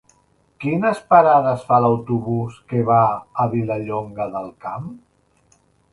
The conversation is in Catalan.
Quines parades fa l'autobús que va a Vilallonga del Camp?